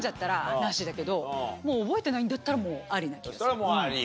それはもうあり？